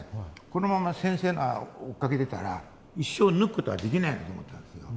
このまんま先生を追っかけてたら一生抜くことはできないと思ったわけですよ。